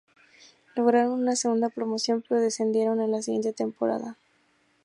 Lograron una segunda promoción, pero descendieron en la siguiente temporada.